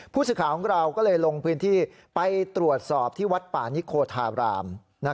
ผู้สื่อข่าวของเราก็เลยลงพื้นที่ไปตรวจสอบที่วัดป่านิโคธาราม